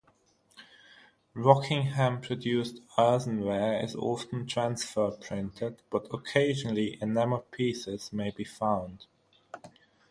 Rockingham-produced earthenware is often transfer printed, but occasionally enamelled pieces may be found.